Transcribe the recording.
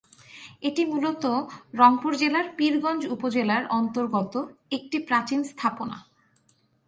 এটি মূলত রংপুর জেলার পীরগঞ্জ উপজেলার অন্তর্গত একটি প্রাচীন স্থাপনা।